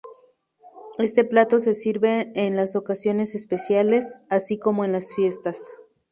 Este plato se sirve en las ocasiones especiales, así como en las fiestas.